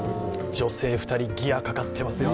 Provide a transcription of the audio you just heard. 女性２人、ギアかかってますよ。